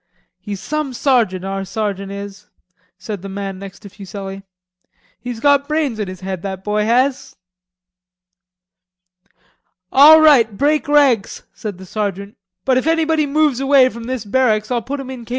"He's some sergeant, our sergeant is," said the man next to Fuselli. "He's got brains in his head, that boy has." "All right, break ranks," said the sergeant, "but if anybody moves away from this barracks, I'll put him in K.